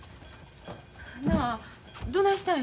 なあどないしたんや？